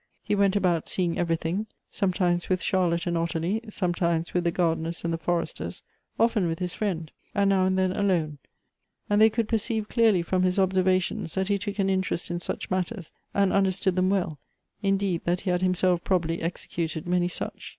He went about seeing everything, sometimes with Charlotte and Ottilie, sometimes with the gardeners and the foresters, often with his friend, and now and then alone; and they could perceive clearly from his observations that he took' an interest in such matters, and understood them well ; in deed, that he had himself probably executed many such.